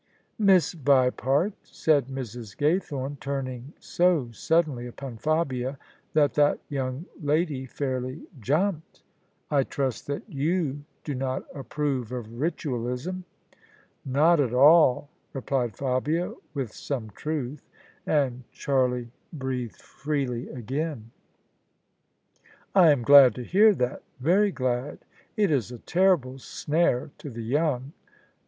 " Miss Vipart," said Mrs. Gaythorne, turning so sud denly upon Fabia that that yoimg lady fairly jumped: " I trust that you do not approve of Ritualism." " Not at all," replied Fabia with some truth : and Charlie breathed freely again. " I am glad to hear that — ^very glad : it is a terrible snare to the young."